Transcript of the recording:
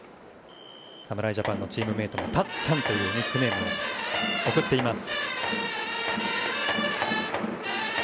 侍ジャパンのチームメートはたっちゃんというニックネームを送っています。